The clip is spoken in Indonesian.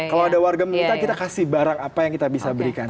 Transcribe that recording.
kalau ada warga meminta kita kasih barang apa yang kita bisa berikan